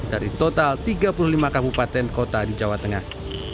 dari total tiga puluh lima kabupaten kota di jawa tengah